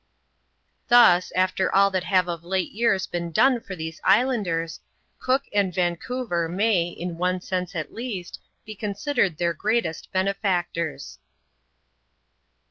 Thus, after all that have of late years been done for these iafauaderS) Cook and Vancouver may, in one sense at least, be CMiBidered their greatest benefactors.